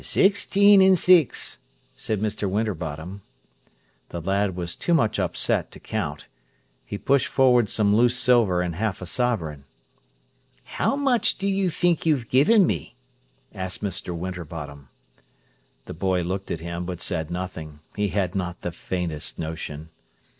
"Sixteen an' six," said Mr. Winterbottom. The lad was too much upset to count. He pushed forward some loose silver and half a sovereign. "How much do you think you've given me?" asked Mr. Winterbottom. The boy looked at him, but said nothing. He had not the faintest notion.